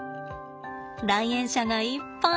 来園者がいっぱい。